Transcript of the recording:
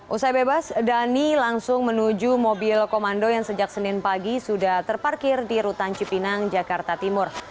usai bebas dhani langsung menuju mobil komando yang sejak senin pagi sudah terparkir di rutan cipinang jakarta timur